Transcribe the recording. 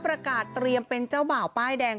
ประกาศเตรียมเป็นเจ้าบ่าวป้ายแดง